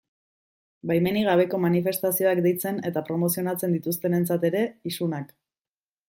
Baimenik gabeko manifestazioak deitzen eta promozionatzen dituztenentzat ere, isunak.